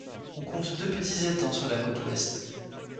On compte deux petits étangs sur la côte Ouest.